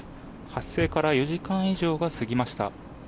発生から４時間以上が過ぎました。